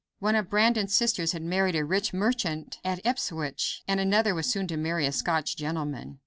One of Brandon's sisters had married a rich merchant at Ipswich, and another was soon to marry a Scotch gentleman.